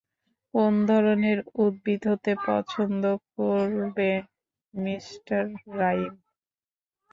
কোন ধরনের উদ্ভিদ হতে পছন্দ করবে, মিঃ রাইম?